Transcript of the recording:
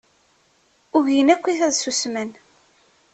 Ugin akkit ad ssusmen.